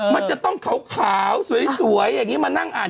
มันจะต้องขาวสวยอย่างนี้มานั่งอ่าน